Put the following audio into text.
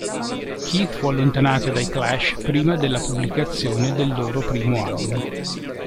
Keith fu allontanato dai Clash prima della pubblicazione del loro primo album.